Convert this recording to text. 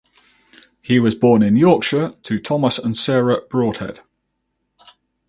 He was born in Yorkshire to Thomas and Sarah Broadhead.